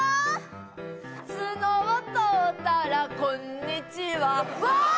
つのを取ったらこんにちはわあ